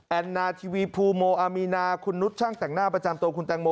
นาทีวีภูโมอามีนาคุณนุษย์ช่างแต่งหน้าประจำตัวคุณแตงโม